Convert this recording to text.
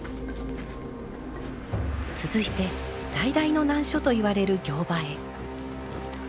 続いて最大の難所といわれる行場へ。